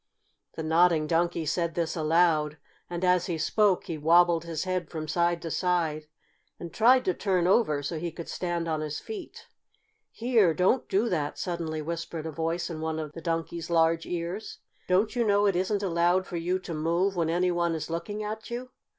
The Nodding Donkey said this aloud, and, as he spoke, he wobbled his head from side to side and tried to turn over so he could stand on his feet. "Here! Don't do that!" suddenly whispered a voice in one of the Donkey's large ears. "Don't you know it isn't allowed for you to move when any one is looking at you?"